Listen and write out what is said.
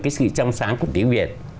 cái sự trong sáng của tiếng việt